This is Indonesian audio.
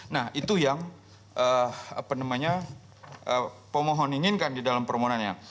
nah itu yang pemohon inginkan di dalam permohonannya